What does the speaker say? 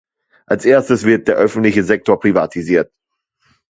Als Erstes wird der öffentliche Sektor privatisiert.